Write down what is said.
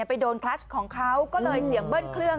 ไปโดนคลัสของเขาก็เลยเสียงเบิ้ลเครื่อง